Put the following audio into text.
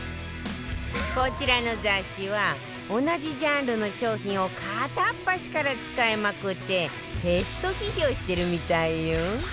こちらの雑誌は同じジャンルの商品を片っ端から使いまくってテスト批評してるみたいよ